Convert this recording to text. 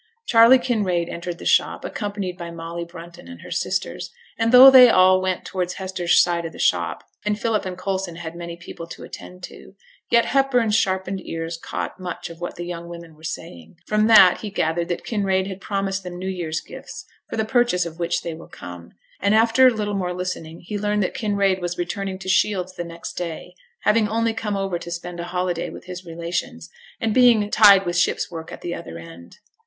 Charley Kinraid entered the shop, accompanied by Molly Brunton and her sisters; and though they all went towards Hester's side of the shop, and Philip and Coulson had many people to attend to, yet Hepburn's sharpened ears caught much of what the young women were saying. From that he gathered that Kinraid had promised them new year's gifts, for the purchase of which they were come; and after a little more listening he learnt that Kinraid was returning to Shields the next day, having only come over to spend a holiday with his relations, and being tied with ship's work at the other end.